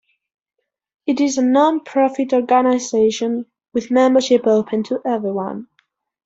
It is a non-profit organization, with membership open to everyone.